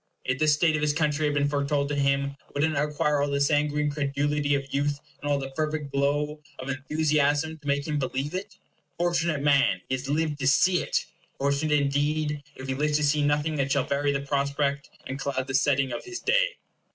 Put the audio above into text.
If this state of his country had been foretold to him, would it not require all the sanguine credulity of youth, and all the fervid glow of enthusiasm, to make him believe it? Fortunate man, he has lived to see it! Fortunate, indeed, if he lives to see nothing that shall vary the prospect, and cloud the setting of his day!